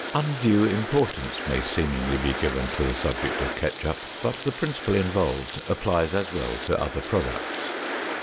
Undue importance may seemingly be given to the subject of ketchup, but the principle involved applies as well to other products.